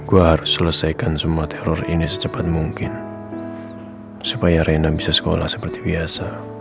gue harus selesaikan semua teror ini secepat mungkin supaya reina bisa sekolah seperti biasa